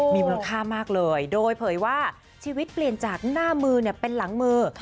มีมูลค่ามากเลยโดยเผยว่าชีวิตเปลี่ยนจากหน้ามือเป็นหลังมือ